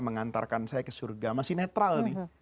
mengantarkan saya ke surga masih netral nih